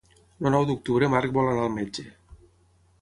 El nou d'octubre en Marc vol anar al metge.